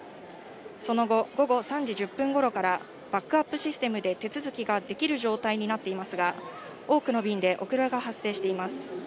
その後、午後３時１０分ごろからバックアップシステムで手続きができる状態になっていますが、多くの便で遅れが発生しています。